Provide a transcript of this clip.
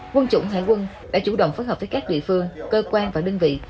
quân chủng hải quân đã chủ động phối hợp với các địa phương cơ quan và đơn vị